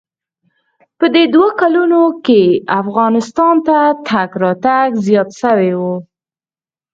په دې دوو کلونو کښې افغانستان ته تگ راتگ زيات سوى و.